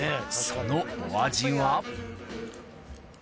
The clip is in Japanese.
そのお味は？